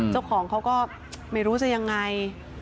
เจ้าของเขาก็ไม่รู้จะยังไง